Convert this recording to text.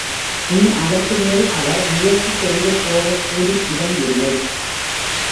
இனி அதற்கு மேல் அவர் முயற்சி செய்து போகக் கூடி இடம் இல்லை.